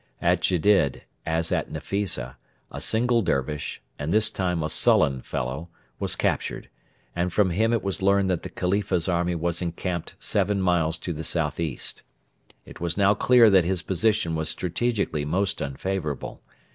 At Gedid, as at Nefisa, a single Dervish, and this time a sullen fellow, was captured, and from him it was learned that the Khalifa's army was encamped seven miles to the south east. It was now clear that his position was strategically most unfavourable.